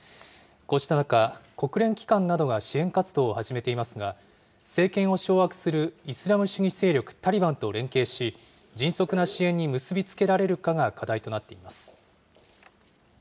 こうした中、国連機関などが支援活動を始めていますが、政権を掌握するイスラム主義勢力タリバンと連携し、迅速な支援に結び付けられるかが課題となっています。